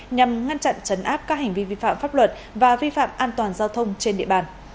nhằm ngăn chặn chấn áp các hành vi vi phạm pháp luật và vi phạm an toàn giao thông trên địa bàn